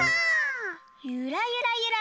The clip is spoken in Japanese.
ゆらゆらゆら。